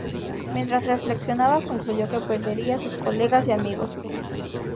Mientras reflexionaba, concluyó que perdería a sus colegas y amigos.